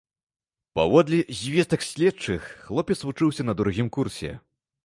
Паводле звестак следчых, хлопец вучыўся на другім курсе.